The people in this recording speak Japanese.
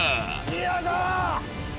よいしょ！